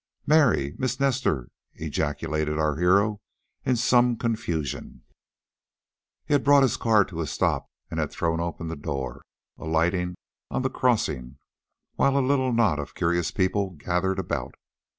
"Mary Miss Nestor!" ejaculated our hero, in some confusion. He had brought his car to a stop, and had thrown open the door, alighting on the crossing, while a little knot of curious people gathered about.